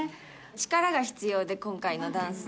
力が必要で、今回のダンス。